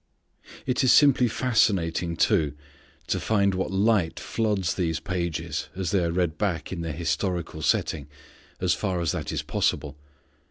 It is simply fascinating too, to find what light floods these pages as they are read back in their historical setting, so far as that is possible.